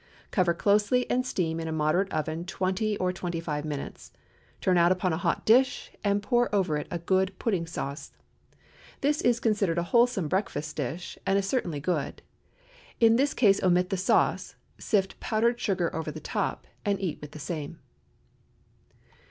Cover closely and steam in a moderate oven twenty or twenty five minutes. Turn out upon a hot dish and pour over it a good pudding sauce. This is considered a wholesome breakfast dish, and is certainly good. In this case omit the sauce, sift powdered sugar over the top, and eat with the same.